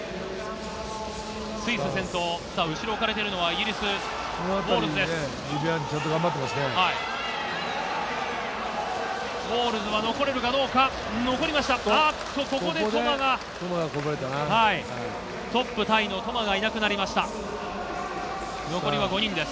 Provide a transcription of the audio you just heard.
スイス先頭、後ろに置かれてるのはイギリス、ウォールズです。